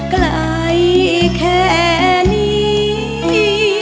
ไกลแค่นี้